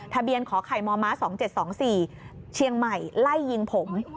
ทะเบียนขอไขมอม้า๒๗๒๔เชียงใหม่ไล่ยิงผม